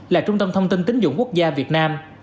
là trung tâm thông tin tính dụng quốc gia việt nam